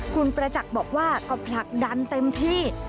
คุณประจักษ์บอกว่าก็ผลักดันเต็มที่